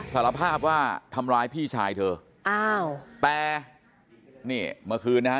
สารภาพว่าทำร้ายพี่ชายเธออ้าวแต่นี่เมื่อคืนนะฮะ